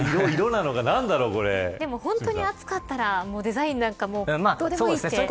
でも、本当に暑かったらデザインなんかどうでもいい。